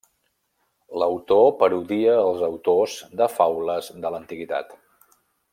L'autor parodia als autors de faules de l'antiguitat.